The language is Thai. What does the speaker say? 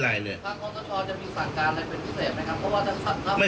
อ่าบิดเบือนก็ต้องถูกจับ